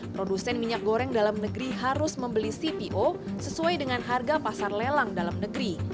produsen minyak goreng dalam negeri harus membeli cpo sesuai dengan harga pasar lelang dalam negeri